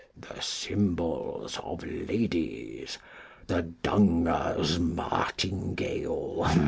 The Cymbals of Ladies. The Dunger's Martingale.